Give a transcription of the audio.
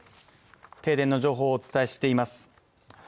停電の情報をお伝えしています。